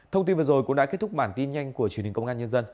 thông tin vừa rồi cũng đã kết thúc bản tin nhanh của truyền hình công an nhân dân